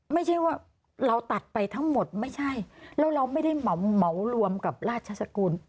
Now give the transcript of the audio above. ไม่ใช่ว่าเราตัดไปทั้งหมดไม่ใช่แล้วเราไม่ได้เหมารวมกับราชสกุล